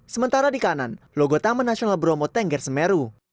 sementara di kanan logo taman nasional bromo tengger semeru